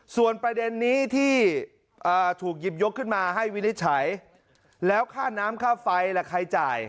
ส่วนประเด็นนี้ที่ถูกหยิบยกขึ้นมาให้วินิจฉัยแล้วค่าน้ำค่าไฟล่ะใครจ่าย